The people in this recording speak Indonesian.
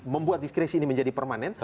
membuat diskresi ini menjadi permanen